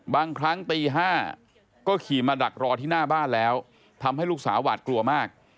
บางครั้งตี๕ก็ขี่มาดักรอที่หน้าบ้านแล้วทำให้ลูกสาวหวาดกลัวมาก